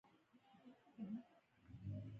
کابل ته ورځم او که پاتېږم.